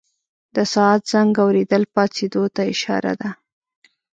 د ساعت زنګ اورېدل پاڅېدو ته اشاره ده.